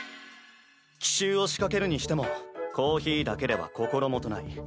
奇襲を仕掛けるにしてもコーヒーだけでは心もとない。